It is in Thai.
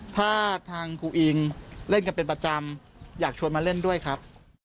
ถ้าทางครูอิงเล่นกันเป็นประจำอยากชวนมาเล่นด้วยครับ